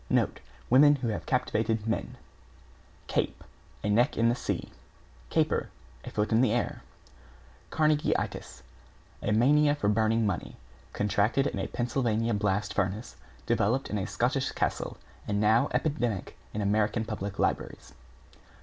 Note, Women who have captivated men. =CAPE= A neck in the sea. =CAPER= A foot in the air. =CARNEGIE ITIS= A mania for burning money. Contracted in a Pennsylvania blast furnace, developed in a Scotch castle and now epidemic in American public libraries.